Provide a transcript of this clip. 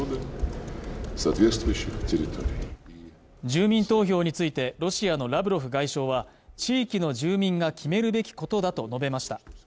住民投票についてロシアのラブロフ外相は地域の住民が決めるべきことだと述べました